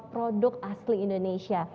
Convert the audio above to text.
produk asli indonesia